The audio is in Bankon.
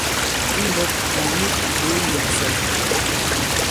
I mbɔ̄k mùt nik à bwě mwē ǹsɔn.